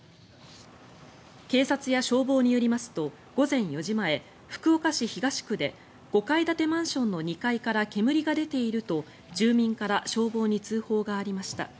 警察や消防によりますと午前４時前福岡市東区で５階建てマンションの２階から煙が出ていると住民から消防に通報がありました。